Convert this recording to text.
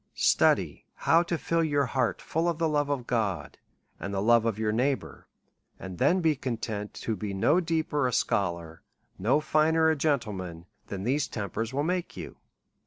Study how to fill your heart full of the love of God, and the love of your neighbour, and then be content to be no deeper a scholar, no finer a gentleman, than these tempers will make you.